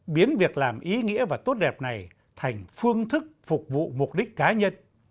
biến việc làm ý nghĩa và tốt đẹp này thành phương thức phục vụ mục đích cá nhân